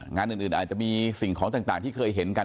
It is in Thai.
งานอื่นอาจจะมีสิ่งของต่างที่เคยเห็นกัน